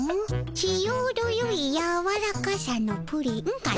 ちょうどよいやわらかさのプリンかの？